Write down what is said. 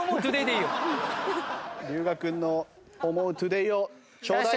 龍我君の思うトゥデイをちょうだい！